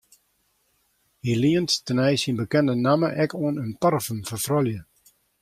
Hy lient tenei syn bekende namme ek oan in parfum foar froulju.